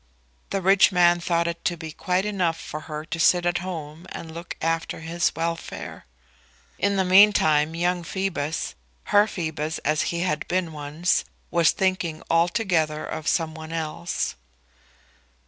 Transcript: The rich man thought it to be quite enough for her to sit at home and look after his welfare. In the meantime young Phoebus, her Phoebus as he had been once, was thinking altogether of some one else.